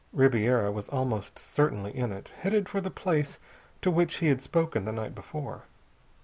Ribiera was almost certainly in it, headed for the place to which he had spoken the night before.